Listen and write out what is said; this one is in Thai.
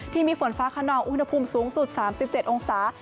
ที่มีฝนฟ้าขนองอุณหภูมิสูงสุด๓๗องศา